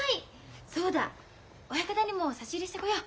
そうだ親方にも差し入れしてこよう。